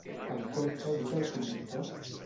El cotxe ajuda al conductor?